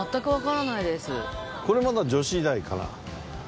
これまだ女子医大かな？